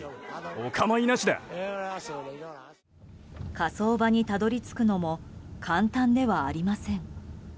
火葬場にたどり着くのも簡単ではありません。